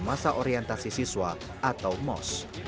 masa orientasi siswa atau mos